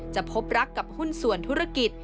พบรักกับหุ้นส่วนธุรกิจ